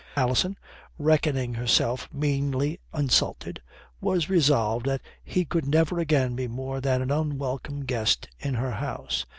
Alison, reckoning herself meanly insulted, was resolved that he could never again be more than an unwelcome guest in her house.